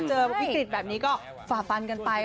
เจอวิกฤตแบบนี้ก็ฝ่าฟันกันไป